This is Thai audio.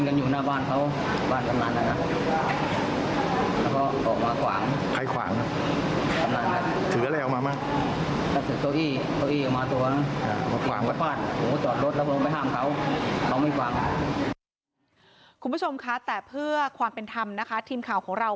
คุณผู้ชมค่ะแต่เพื่อความเป็นทั้งทีกับของเรา